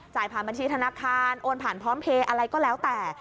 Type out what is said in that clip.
ผ่านบัญชีธนาคารโอนผ่านพร้อมเพลย์อะไรก็แล้วแต่